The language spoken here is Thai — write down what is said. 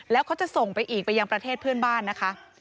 แล้วเขาจะส่งไปอีกไปยังประเทศเพื่อนบ้านนะคะ